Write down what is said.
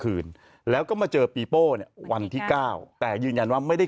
คืนแล้วก็มาเจอปีโป้เนี่ยวันที่เก้าแต่ยืนยันว่าไม่ได้